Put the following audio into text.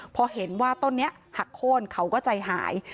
พอเห็นว่าต้นนี้หักโค้นเขาก็ใจหาย